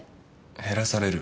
減らされる？